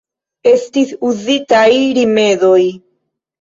Estis uzitaj rimedoj.